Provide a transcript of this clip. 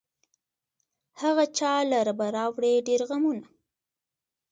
هغه چا لره به راوړي ډېر غمونه